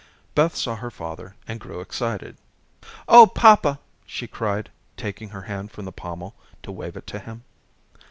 Beth saw her father and grew excited. "Oh, papa," she cried, taking her hand from the pommel to wave it to him.